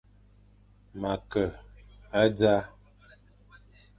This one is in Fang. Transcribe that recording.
Ma ke a dzaʼa.